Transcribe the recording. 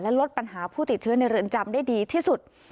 ลดปัญหาผู้ติดเชื้อในเรือนจำได้ดีที่สุด